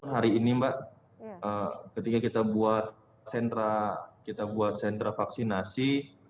hari ini mbak ketika kita buat sentra vaksinasi